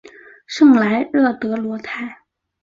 圣莱热德罗泰。